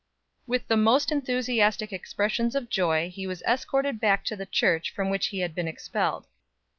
With the most enthusiastic expressions of joy he was escorted back to the church from which he had been expelled.